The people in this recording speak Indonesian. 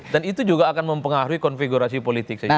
dan itu juga akan mempengaruhi konfigurasi politik